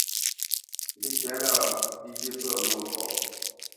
Mbîkɛ̌lâ, lî ghye pə̂ Mwôkɔ̌.